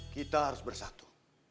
kita harus bersatu